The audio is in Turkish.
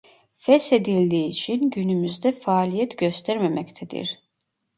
Feshedildiği için günümüzde faaliyet göstermemektedir.